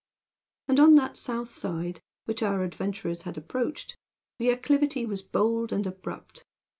And on that south side, which our adventurers had approached, the acclivity was bold and abrupt.